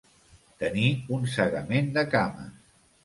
Tenir un segament de cames.